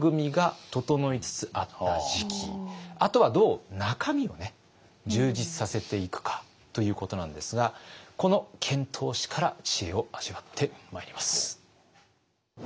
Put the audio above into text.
あとはどう中身を充実させていくかということなんですがこの遣唐使から知恵を味わってまいります。